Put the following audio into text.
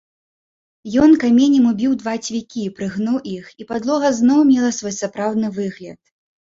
Ён каменем убіў два цвікі, прыгнуў іх, і падлога зноў мела свой сапраўдны выгляд.